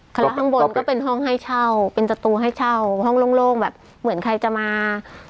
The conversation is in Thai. ข้างละข้างบนก็เป็นห้องให้เช่าเป็นประตูให้เช่าห้องโล่งแบบเหมือนใครจะมา